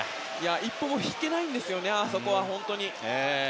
一歩も引けないんですよあそこは。